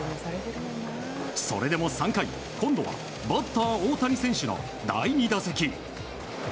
それでも３回、今度はバッター大谷選手の第２打席。